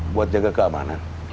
buat jaga keamanan